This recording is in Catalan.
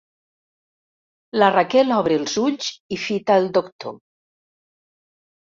La Raquel obre els ulls i fita el doctor.